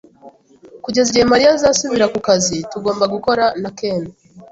Kugeza igihe Mariya azasubira ku kazi, tugomba gukora na Ken.